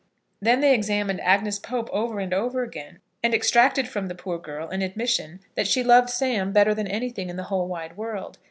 Then they examined Agnes Pope over and over again, and extracted from the poor girl an admission that she loved Sam better than anything in the whole wide world.